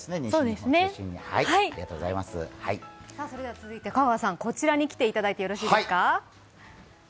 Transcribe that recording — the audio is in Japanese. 続いて香川さん、こちらに来ていただいていいですか。